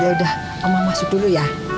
yaudah omah masuk dulu ya